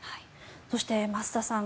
そして増田さん